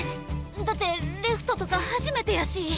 だってレフトとか初めてやし。